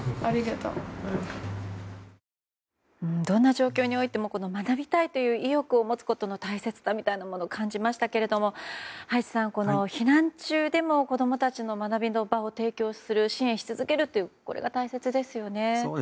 どんな状況においても学びたいという意欲を持つことの大切さみたいなものを感じましたけれども葉一さん、避難中でも子供たちの学びの場を提供する支援し続けるのが大事ですね。